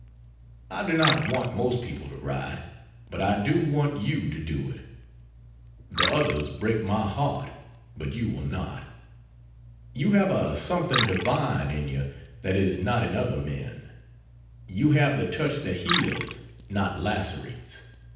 I do not want most people to write, but I do want you to do it. The others break my heart, but you will not. You have a something divine in you that is not in other men. You have the touch that heals, not lacerates.